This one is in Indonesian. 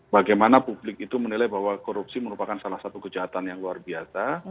bagaimana publik itu menilai bahwa korupsi merupakan salah satu kejahatan yang luar biasa